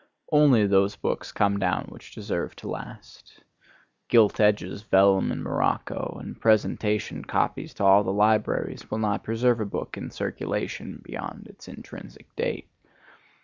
Only those books come down which deserve to last. Gilt edges, vellum and morocco, and presentation copies to all the libraries will not preserve a book in circulation beyond its intrinsic date.